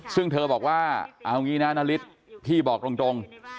ซึ่งเธอบอกว่าเอางี้นะนาริสพี่บอกตรง